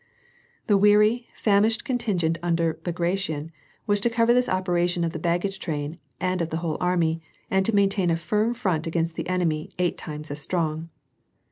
The weary, famished contingent under Bagration was to cover this operation of the baggage train and of the whole army, and to maintain a firm front against an enemy eight times as strong.